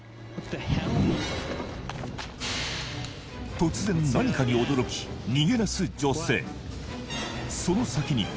突然何かに驚き逃げだす女性